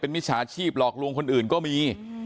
มิจฉาชีพหลอกลวงคนอื่นก็มี